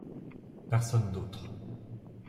Personne d’autre.